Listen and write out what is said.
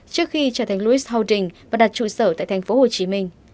trước khi trở thành lewis holdings và đặt trụ sở tại tp hcm